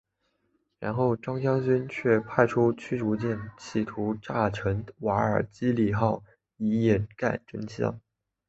然后张将军却派出驱逐舰企图炸沉瓦尔基里号以掩盖真相。